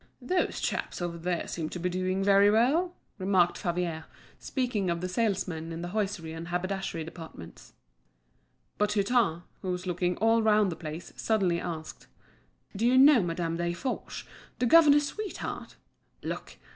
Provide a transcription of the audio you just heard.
"Those chaps over there seem to be doing very well," remarked Favier, speaking of the salesmen in the hosiery and haberdashery departments. But Hutin, who was looking all round the place, suddenly asked: "Do you know Madame Desforges, the governor's sweetheart? Look!